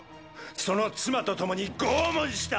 その妻と共に拷問した！